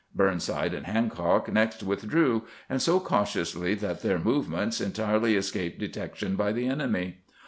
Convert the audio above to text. Burnside and Hancock next withdrew, and so cautiously that their movements entirely escaped detec tion by the enemy.